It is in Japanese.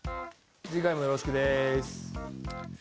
次回もよろしくです。